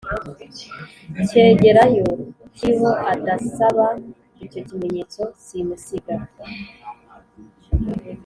cyegeranyo kiriho adasaba icyo kimenyetso simusiga